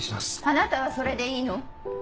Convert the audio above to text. あなたはそれでいいの？